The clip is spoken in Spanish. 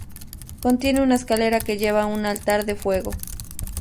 Contiene una escalera que lleva a un altar de fuego.